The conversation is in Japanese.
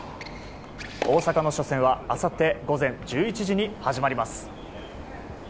大坂の初戦はあさって午前１１時に始まります。